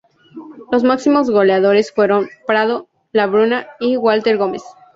Los máximos goleadores fueron Prado, Labruna y Walter Gómez.